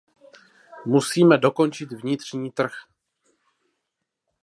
Musíme dokončit vnitřní trh.